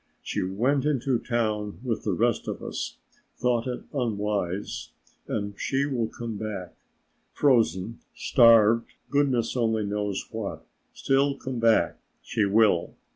She went into town when the rest of us thought it unwise and she will come back, frozen, starved, goodness only knows what, still come back she will.